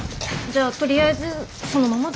じゃあとりあえずそのままで。